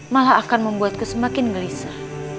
malah akan membuatku semakin gelisah